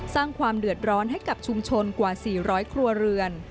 สร้างความเดือดร้อนให้กับชุมชนกว่า๔๐๐ครัวเรือน